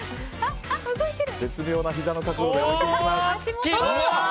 絶妙なひざの角度で置いていきます。